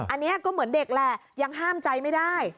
อันนี้ก็เหมือนเด็กแหละยังห้ามใจไม่ได้